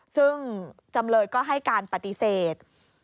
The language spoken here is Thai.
ซึ่งจำเลยก็ให้การปฏิเสธ